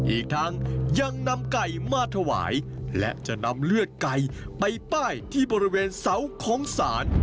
อีกทั้งยังนำไก่มาถวายและจะนำเลือดไก่ไปป้ายที่บริเวณเสาของศาล